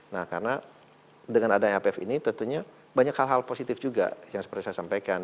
nah karena dengan adanya ipf ini tentunya banyak hal hal positif juga yang seperti saya sampaikan